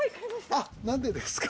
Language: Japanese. あっ、なんでですか？